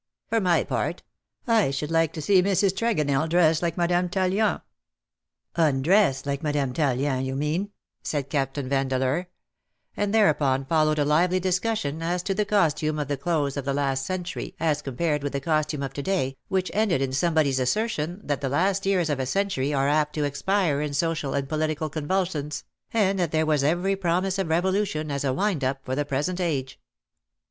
" For my part, I should like to see Mrs. Tregonell dressed like Madame Tallien." " Undressed like Madame Tallien, you mean," said Captain Vandeleur : and thereupon followed a lively discussion as to the costume of the close of the last century as compared with the costume of to day, which ended in somebody's assertion that the last years of a century are apt to expire in social and political convulsions, and that there was every promise of revolution as a wind up for the present age.